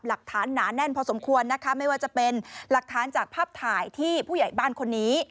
หนาแน่นพอสมควรนะคะไม่ว่าจะเป็นหลักฐานจากภาพถ่ายที่ผู้ใหญ่บ้านคนนี้